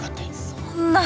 そんな。